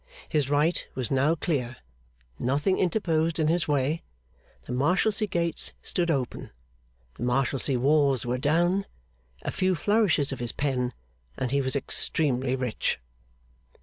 His right was now clear, nothing interposed in his way, the Marshalsea gates stood open, the Marshalsea walls were down, a few flourishes of his pen, and he was extremely rich.